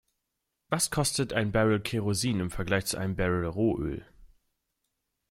Was kostet ein Barrel Kerosin im Vergleich zu einem Barrel Rohöl?